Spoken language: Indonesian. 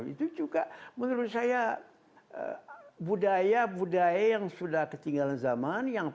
itu juga menurut saya budaya budaya yang sudah ketinggalan zaman